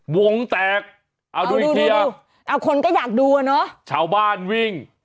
วงแตกเอาดูอีกทีเอาคนก็อยากดูอ่ะเนอะชาวบ้านวิ่ง